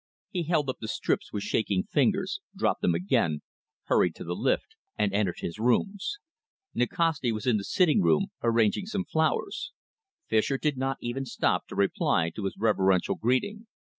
He held up the strips with shaking fingers, dropped them again, hurried to the lift, and entered his rooms. Nikasti was in the sitting room, arranging some flowers. Fischer did not even stop to reply to his reverential greeting.